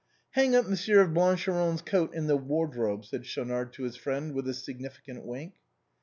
" Hang up Monsieur Blancheron's coat in the wardrobe," said Schaunard to his friend, with a significant wink.